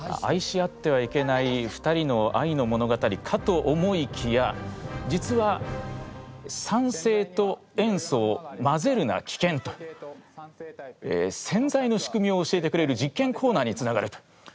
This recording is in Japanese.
愛し合ってはいけない２人の愛の物語かと思いきや実は酸性と塩素を「まぜるな危険」と洗剤の仕組みを教えてくれる実験コーナーにつながると。